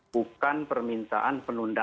bukan permintaan penundaan